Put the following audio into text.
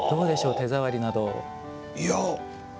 手触りなど。